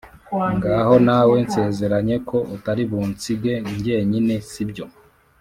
ngaho nawe nsezeranye ko utaribunsige njyenyine, sibyo!’